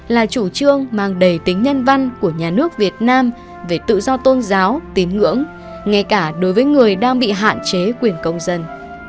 là chủ trương mang đầy tính nhân văn của nhà nước việt nam về tự do tôn giáo tín ngưỡng ngay cả đối với người đang bị hạn chế quyền công dân